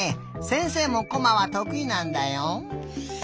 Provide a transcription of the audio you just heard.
せんせいもコマはとくいなんだよ。